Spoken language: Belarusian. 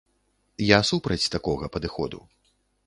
Я супраць такога падыходу.